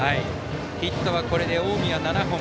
ヒットはこれで近江は７本。